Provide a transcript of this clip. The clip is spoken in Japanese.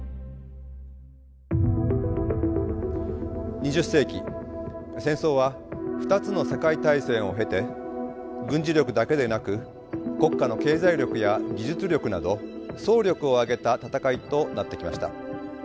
２０世紀戦争は２つの世界大戦を経て軍事力だけでなく国家の経済力や技術力など総力を挙げた戦いとなってきました。